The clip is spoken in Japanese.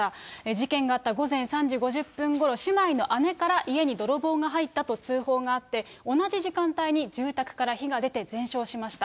事件があった午前３時５０分ごろ、姉妹の姉から家に泥棒が入ったと通報があって、同じ時間帯に住宅から火が出て、全焼しました。